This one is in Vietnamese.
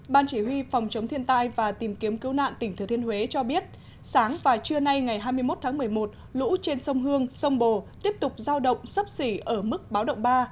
ban chỉ huy phòng chống thiên tai và tìm kiếm cứu nạn tỉnh thừa thiên huế cho biết sáng và trưa nay ngày hai mươi một tháng một mươi một lũ trên sông hương sông bồ tiếp tục giao động sấp xỉ ở mức báo động ba